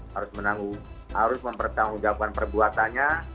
harus mempertanggung jawabkan perbuatannya